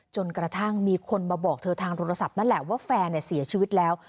จนกระทั่งมีคนมาบอกเธอทางโทรศัพท์นั่นแหละว่าแฟนเสียชีวิตแล้ว